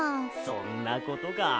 そんなことか。